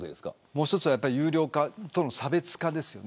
もう一つは有料化との差別化ですよね。